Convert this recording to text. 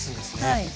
はい。